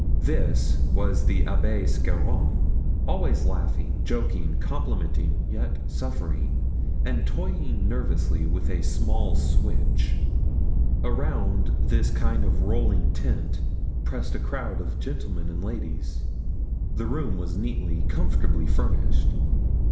This was the Abbé Scarron, always laughing, joking, complimenting—yet suffering—and toying nervously with a small switch. Around this kind of rolling tent pressed a crowd of gentlemen and ladies. The room was neatly, comfortably furnished.